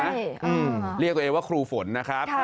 เรียกตัวเองว่าครูฝนนะครับ